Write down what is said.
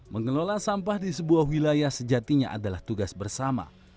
mengelola sampah di sebuah wilayah sejatinya adalah tugas bersama